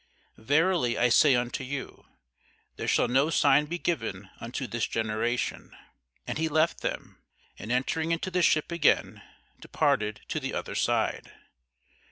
verily I say unto you, There shall no sign be given unto this generation. And he left them, and entering into the ship again departed to the other side.